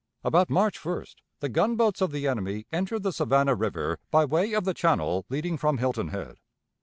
"About March 1st the gunboats of the enemy entered the Savannah River by way of the channel leading from Hilton Head.